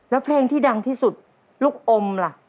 แล้วเพลงที่ดังที่สุดลูกอมล่ะ